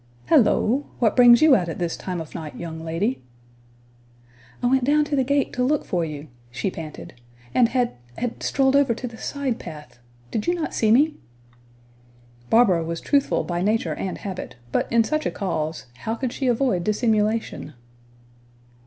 "Halloo! What brings you out at this time of night, young lady?" "I went down to the gate to look for you," she panted, "and had had strolled over to the side path. Did you not see me?" Barbara was truthful by nature and habit; but in such a cause, how could she avoid dissimulation?